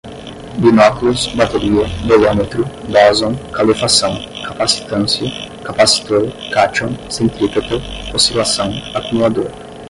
binóculos, bateria, bolômetro, bóson, calefação, capacitância, capacitor, cátion, centrípeta, oscilação, acumulador